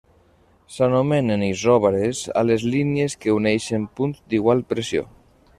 S'anomenen isòbares a les línies que uneixen punts d'igual pressió.